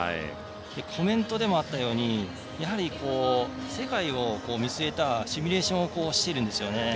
コメントでもあったようにやはり、世界を見据えたシミュレーションをしているんですよね。